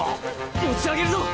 持ち上げるぞ！